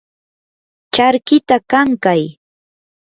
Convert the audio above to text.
charkita kankay.